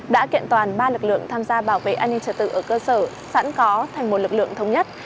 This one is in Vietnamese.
đã kiện toàn ba lực lượng tham gia bảo vệ an ninh trật tự ở cơ sở sẵn có thành một lực lượng thống nhất